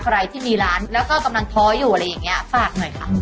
ใครที่มีร้านแล้วก็กำลังท้ออยู่อะไรอย่างนี้ฝากหน่อยค่ะ